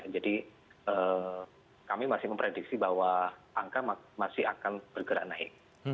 jadi kami masih memprediksi bahwa angka masih akan bergerak naik